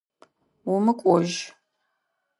Умыкӏожь!